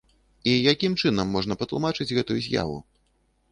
І якім чынам можна патлумачыць гэтую з'яву?